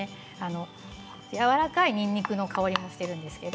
やわらかいにんにくの香りもしています。